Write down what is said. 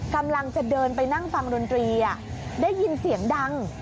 กำลังจะเดินไปนั่งฟังดนตรีได้ยินเสียงดัง